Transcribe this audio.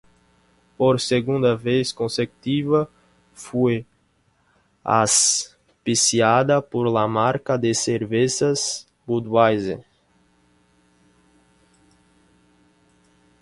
Por segunda vez consecutiva, fue auspiciada por la marca de cervezas Budweiser.